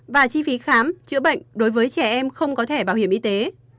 và chi phí khám chữa bệnh đối với trẻ em không có thẻ bảo hiểm y tế